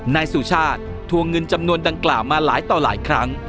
นายสุชาติทวงเงินจำนวนดังกล่าวมาหลายต่อหลายครั้ง